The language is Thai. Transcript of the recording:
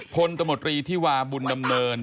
ตมตรีที่วาบุญดำเนิน